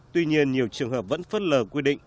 tuy nhiên nhiều trường hợp vẫn phất lờ quy định